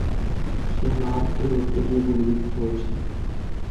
সে মার্ককে ধরতে গিয়ে গুলিবিদ্ধ হয়ছে।